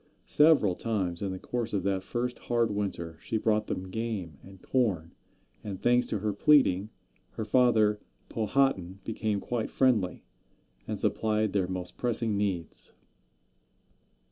Several times, in the course of that first hard winter, she brought them game and corn, and, thanks to her pleading, her father Powhatan became quite friendly, and supplied their most pressing needs.